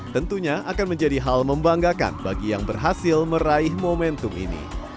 tentunya akan menjadi hal membanggakan bagi yang berhasil meraih momentum ini